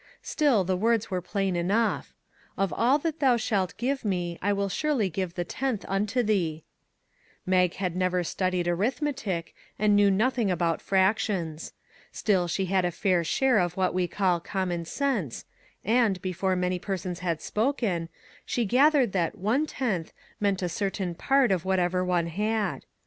Still the words were plain enough :" Of all that thou shalt give me, I will surely give the tenth unto thee." Mag had never studied arithmetic, 172 NEW IDEAS and knew nothing about fractions. Still, she had a fair share of what we call common sense, and, before many persons had spoken, she gathered that " one tenth " meant a certain part of whatever one had.